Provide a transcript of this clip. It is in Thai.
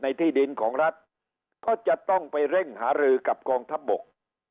ที่ดินของรัฐก็จะต้องไปเร่งหารือกับกองทัพบก